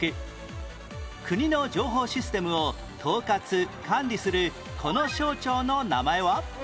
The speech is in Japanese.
国の情報システムを統括・管理するこの省庁の名前は？